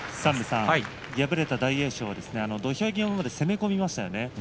敗れた大栄翔土俵際まで攻め込みました。